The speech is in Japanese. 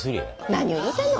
何を言うてんの！